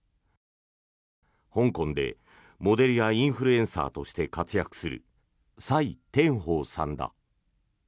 香港で、モデルやインフルエンサーとして活躍するサイ・テンホウさんだ。